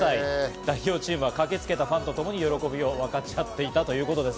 代表チームは駆けつけたファンと共に喜びを分かち合っていたということです。